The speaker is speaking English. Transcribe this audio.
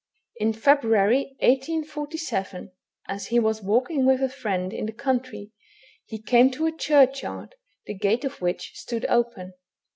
In February, 1847, as he was walking with a friend in the country, he came to a churchyard, the gate of which stood open.